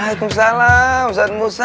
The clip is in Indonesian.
waalaikumsalam ustadz musa